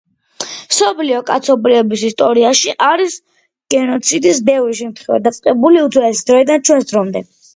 მსოფლიო კაცობრიობის ისტორიაში არის გენოციდის ბევრი შემთხვევა დაწყებული უძველესი დროიდან ჩვენს დრომდე.